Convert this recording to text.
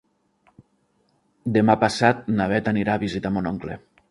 Demà passat na Bet anirà a visitar mon oncle.